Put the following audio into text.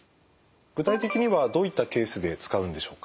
具体的にはどういったケースで使うんでしょうか？